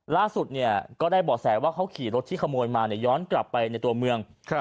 ล่าสุดก็ได้บ่อแสว่าเขาขี่รถที่ขโมยมาย้อนกลับไปในตัวเมือง